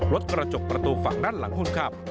รถกระจกประตูฝั่งด้านหลังคนขับ